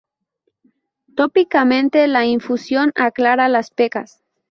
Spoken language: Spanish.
Tópicamente, la infusión aclara las pecas.